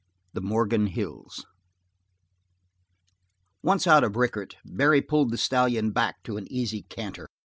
The Morgan Hills Once out of Rickett, Barry pulled the stallion back to an easy canter.